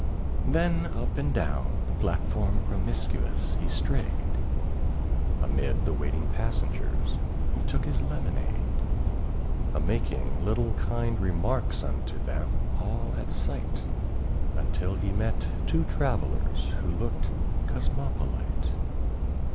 Then up and down the platform promiscuous he strayed, Amid the waiting passengers he took his lemonade, A making little kind remarks unto them all at sight, Until he met two travellers who looked cosmopolite.